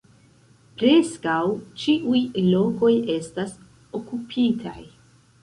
Preskaŭ ĉiuj lokoj estas okupitaj.